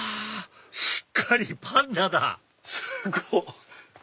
しっかりパンダだすごい。